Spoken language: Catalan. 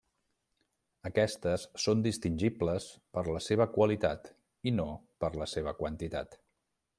Aquestes són distingibles per la seva qualitat i no per la seva quantitat.